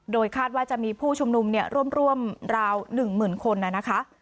โดยคาดว่าจะมีผู้ชุมนุมร่วมราว๑๐๐๐คนนะคะ